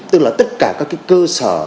tức là tất cả các cái cơ sở